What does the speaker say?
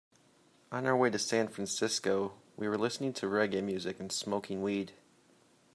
On our way to San Francisco, we were listening to reggae music and smoking weed.